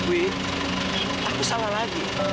dwi aku salah lagi